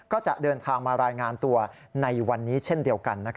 ก็จะเดินทางมารายงานตัวในวันนี้เช่นเดียวกัน